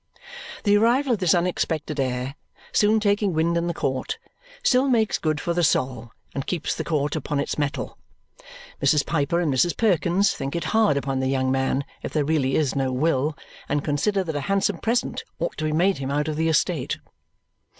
The arrival of this unexpected heir soon taking wind in the court still makes good for the Sol and keeps the court upon its mettle. Mrs. Piper and Mrs. Perkins think it hard upon the young man if there really is no will, and consider that a handsome present ought to be made him out of the estate.